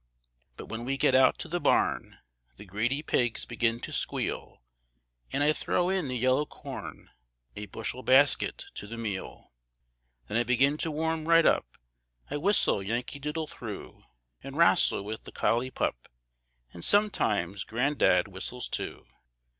But when we get out to the barn The greedy pigs begin to squeal, An' I throw in the yellow corn, A bushel basket to the meal. Then I begin to warm right up, I whistle "Yankee Doodle" through, An' wrastle with the collie pup And sometimes gran'dad whistles too.